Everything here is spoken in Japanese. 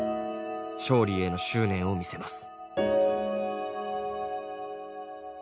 勝利への執念を見せます。